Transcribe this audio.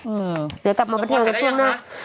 เดี๋ยวกลับมาบันเทิงกันช่วงหน้า